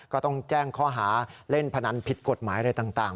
ก็ต้องแจ้งข้อหาเล่นพนันผิดกฎหมายอะไรต่าง